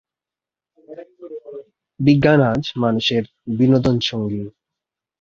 বিজ্ঞান আজ মানুষের বিনোদনসঙ্গী।